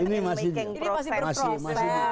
ini masih berproses